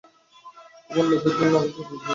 তোমার লোভের জন্য আমাকে দোষ দিও না।